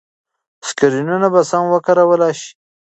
سکرینونه به سم وکارول شي.